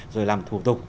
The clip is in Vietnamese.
rồi làm thủ tục